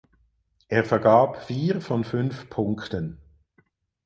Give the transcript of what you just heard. Er vergab vier von fünf Punkten.